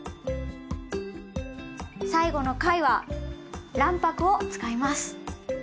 最後の回は卵白を使います。